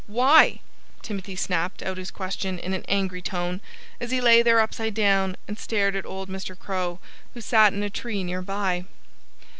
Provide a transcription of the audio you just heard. "Why?" Timothy snapped out his question in an angry tone, as he lay there upside down and stared at old Mr. Crow, who sat in a tree near by.